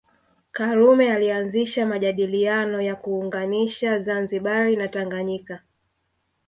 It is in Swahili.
Karume alianzisha majadiliano ya kuunganisha Zanzibar na Tanganyika